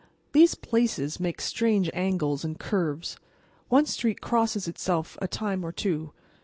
These "places" make strange angles and curves. One street crosses itself a time or two.